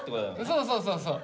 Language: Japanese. そうそうそうそう。